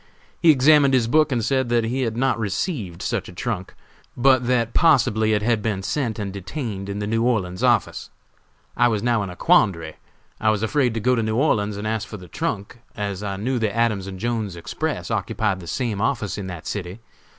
He examined his book and said that he had not received such a trunk, but that possibly it had been sent and detained in the New Orleans office. I was now in a quandary; I was afraid to go to New Orleans and ask for the trunk, as I knew the Adams and Jones's Express occupied the same office in that city.